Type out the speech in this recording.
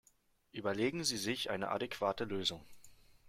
Überlegen Sie sich eine adäquate Lösung!